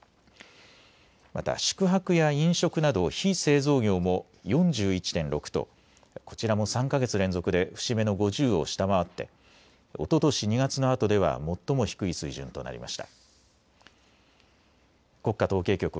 また、宿泊や飲食など非製造業も４１．６とこちらも３か月連続で節目の５０を下回っておととし２月のあとでは最も低い水準となりました。